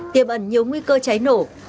tiềm ẩn nhiều nguy cơ cháy nổ